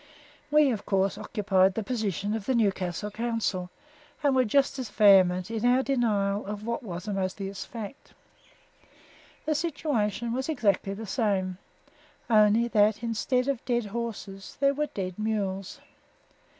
We, of course, occupied the position of the Newcastle Council, and were just as vehement in our denial of what was a most obvious fact. The situation was exactly the same only that, instead of dead horses, there were dead mules.